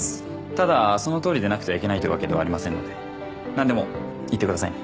ただそのとおりでなくてはいけないというわけではありませんのでなんでも言ってくださいね